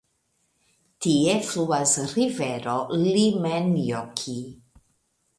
Tie fluas rivero Lemmenjoki.